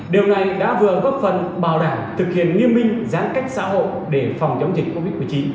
điều này đã vừa góp phần bảo đảm thực hiện nghiêm minh giãn cách xã hội để phòng chống dịch covid một mươi chín